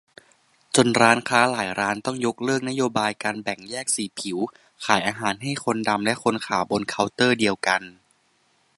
จนร้านค้าหลายร้านต้องยกเลิกนโยบายการแบ่งแยกสีผิว ขายอาหารให้คนดำและคนขาวบนเคาน์เตอร์เดียวกัน